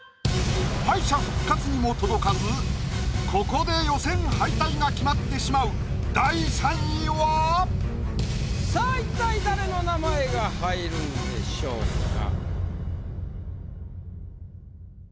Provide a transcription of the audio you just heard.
敗者復活にも届かずここで予選敗退が決まってしまう第３位は⁉さあ一体誰の名前が入るんでしょうか？